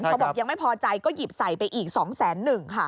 พอบอกยังไม่พอใจก็หยิบใส่ไปอีกสองแสนหนึ่ง